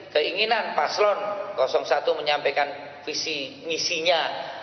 keinginan paslon satu menyampaikan visi misinya